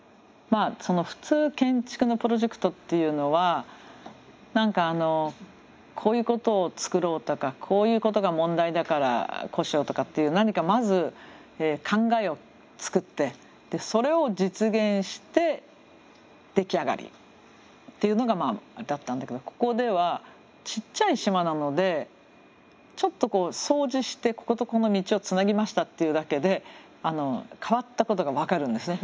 普通建築のプロジェクトっていうのは何かあのこういうことを作ろうとかこういうことが問題だからこうしようとかっていう何かまず考えを作ってそれを実現して出来上がりっていうのがだったんだけどここではちっちゃい島なのでちょっと掃除してこことここの道をつなぎましたっていうだけで変わったことが分かるんですね。